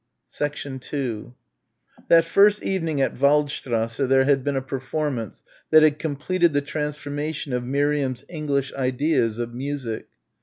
2 That first evening at Waldstrasse there had been a performance that had completed the transformation of Miriam's English ideas of "music."